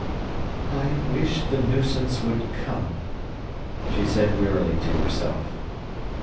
"I wish the nuisance would come," she said wearily to herself.